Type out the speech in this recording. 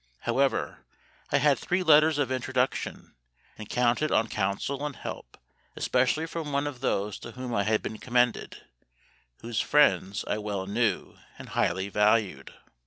However, I had three letters of introduction, and counted on counsel and help, especially from one of those to whom I had been commended, whose friends I well knew and highly valued.